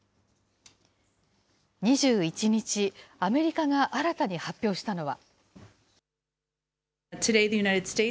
２１日、アメリカが新たに発表したのは。